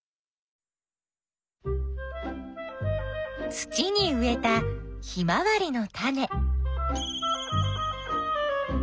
土に植えたヒマワリのタネ。